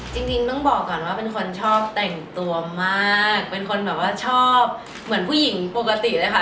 จริงต้องบอกก่อนว่าเป็นคนชอบแต่งตัวมากเป็นคนแบบว่าชอบเหมือนผู้หญิงปกติเลยค่ะ